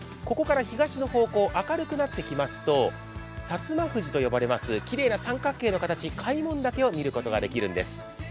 ここから東の方向、明るくなってきますと、薩摩富士と呼ばれます、きれいな三角形、開聞岳を見ることができるんです。